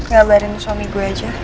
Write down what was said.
kabarin suami gue aja